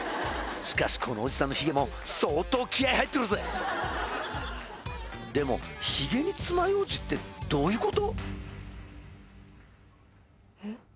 しかしこのおじさんのヒゲも相当気合入ってるぜでもヒゲにつまようじってどういうこと？